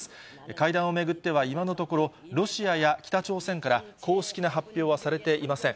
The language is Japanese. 会談を巡っては今のところ、ロシアや北朝鮮から公式な発表はされていません。